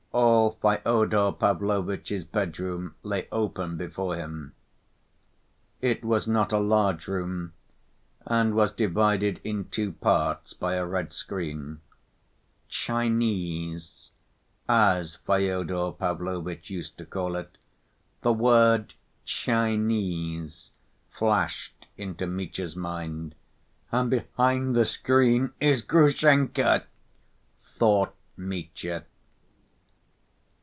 All Fyodor Pavlovitch's bedroom lay open before him. It was not a large room, and was divided in two parts by a red screen, "Chinese," as Fyodor Pavlovitch used to call it. The word "Chinese" flashed into Mitya's mind, "and behind the screen, is Grushenka," thought Mitya.